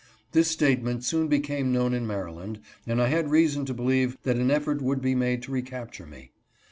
This statement soon became known in Maryland, and I had reason to believe that an effort would be made to recapture me.